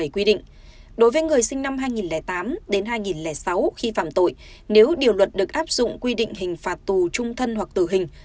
đối với người sinh năm hai nghìn tám hai nghìn sáu khi phạm tội nếu điều luật được áp dụng quy định hình phạt tù trung thân hoặc tử hình